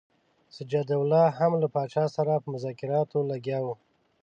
شجاع الدوله هم له پاچا سره په مذاکراتو لګیا وو.